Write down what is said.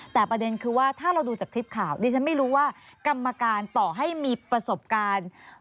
แต่ประเด็นคือว่าถ้าเราดูจากคลิปข่าวดิฉันไม่รู้ว่ากรรมการต่อให้มีประสบการณ์